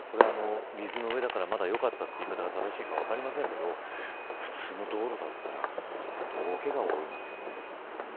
水の上だからまだよかったという言い方が正しいか分かりませんが普通の道路だったら大けがを負いますよね。